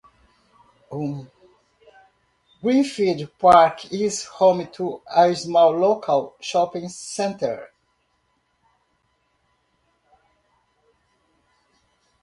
Greenfield Park is home to a small local shopping centre.